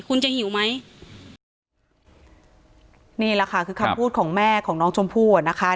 คุณจะหิวไหมนี่แหละค่ะคือคำพูดของแม่ของน้องชมพู่อ่ะนะคะ